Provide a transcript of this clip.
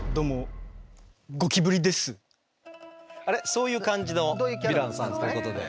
そういう感じのヴィランさんということで？